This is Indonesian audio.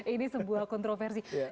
ini sebuah kontroversi